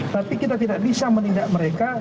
tapi kita tidak bisa menindak mereka